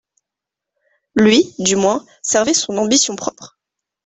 Lui, du moins, servait son ambition propre.